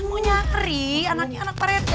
kan mau nyari anaknya anak pak rete